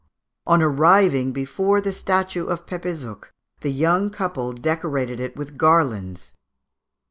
On arriving before the statue of Pepézuch the young people decorated it with garlands.